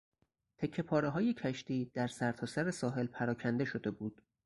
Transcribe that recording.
تکهپارههای کشتی در سرتاسر ساحل پراکنده شده بود.